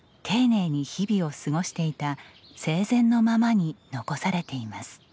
丁寧に日々を過ごしていた生前のままに残されています。